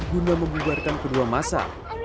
guna membuarkan kedua masa